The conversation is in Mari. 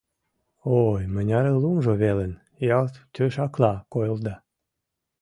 Ой, мыняре лумжо велын, ялт тӧшакла койылда.